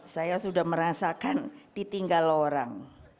saya sudah merasakan ditinggal orang